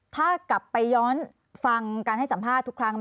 ถ้ากลับไปย้อนฟังการให้สัมภาษณ์ทุกครั้ง